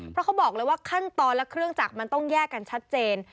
เพราะเขาบอกเลยว่าขั้นตอนและเครื่องจักรมันต้องแยกกันชัดเจน